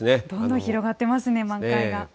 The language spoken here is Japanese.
どんどん広がってますね、満開が。